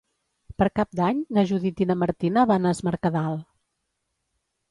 Per Cap d'Any na Judit i na Martina van a Es Mercadal.